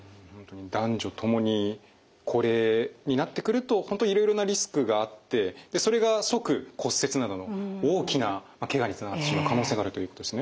男女ともに高齢になってくると本当いろいろなリスクがあってそれが即骨折などの大きなケガにつながってしまう可能性があるということですね。